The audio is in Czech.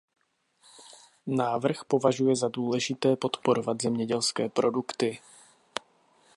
Návrh považuje za důležité podporovat zemědělské produkty.